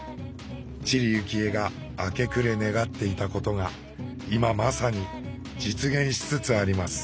知里幸恵が明け暮れ願っていたことが今まさに実現しつつあります。